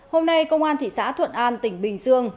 hôm nay công an thị xã thuận an tỉnh bình dương